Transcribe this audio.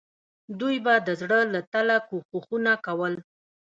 دوی به د زړه له تله کوښښونه کول.